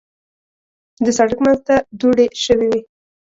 د سړک منځ ته دوړې شوې وې.